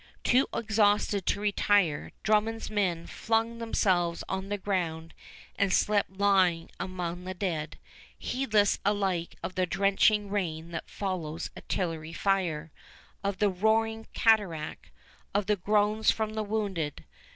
Too exhausted to retire, Drummond's men flung themselves on the ground and slept lying among the dead, heedless alike of the drenching rain that follows artillery fire, of the roaring cataract, of the groans from the wounded.